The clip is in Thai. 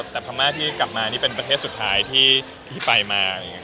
แต่พม่าที่กลับมานี่เป็นประเทศสุดท้ายที่ไปมา